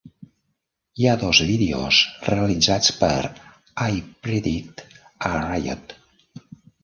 Hi ha dos vídeos realitzats per "I Predict a Riot".